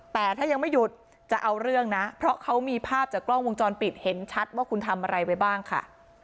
แต่ถ้ายังไม่หยุดจะเอาเรื่องนะเพราะเขามีภาพจากกล้องวงจรปิดเห็นชัดว่าคุณทำอะไรไว้บ้างค่ะ